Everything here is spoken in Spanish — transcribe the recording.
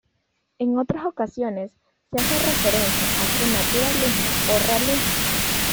En otras ocasiones, se hace referencia a su naturalismo o realismo.